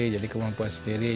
jadi kemampuan saya